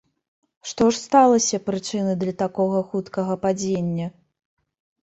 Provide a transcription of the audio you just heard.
Што ж сталася прычынай для такога хуткага падзення?